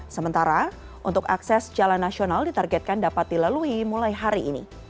sementara untuk akses jalan nasional ditargetkan dapat dilalui mulai hari ini